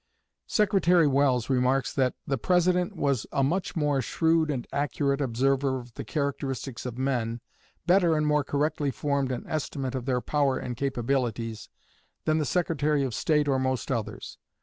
Secretary Welles remarks that "the President was a much more shrewd and accurate observer of the characteristics of men better and more correctly formed an estimate of their power and capabilities than the Secretary of State or most others.